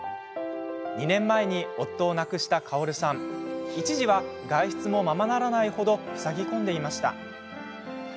２年前に夫を亡くしたかおるさん一時は外出もままらないほどふさぎ込んでいました。